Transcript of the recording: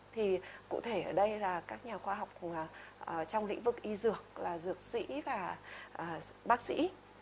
thì cụ thể ở đây là các nhà khoa học trong lĩnh vực y dược là dược sĩ và bác sĩ